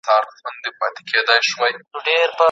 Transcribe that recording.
فساد د ټولني بنسټونه له دننه خوري.